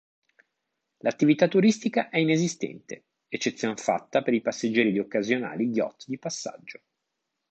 L'attività turistica è inesistente, eccezion fatta per i passeggeri di occasionali yacht di passaggio.